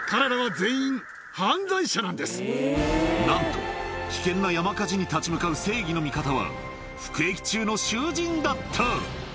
そう、なんと、危険な山火事に立ち向かう正義の味方は、服役中の囚人だった。